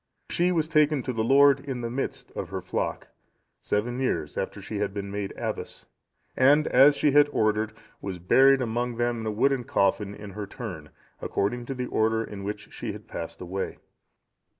She was taken to the Lord, in the midst of her flock, seven years after she had been made abbess; and, as she had ordered, was buried among them in a wooden coffin in her turn, according to the order in which she had passed away.